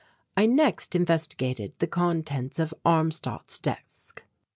I next investigated the contents of Armstadt's desk.